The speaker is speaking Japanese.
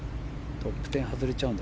トップ１０外れちゃうんだ。